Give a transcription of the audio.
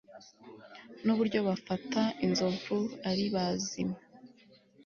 nuburyo bafata inzovu ari bazima